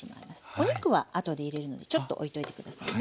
お肉は後で入れるのでちょっとおいといて下さいね。